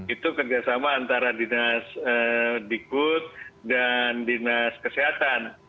itu kerjasama antara dinas dikut dan dinas kesehatan